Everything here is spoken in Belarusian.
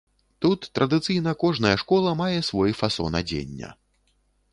Тут традыцыйна кожная школа мае свой фасон адзення.